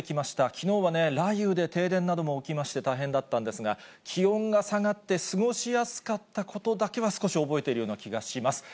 きのうは雷雨で停電なども起きまして、大変だったんですが、気温が下がって、過ごしやすかったことだけは少し覚えているような気がします。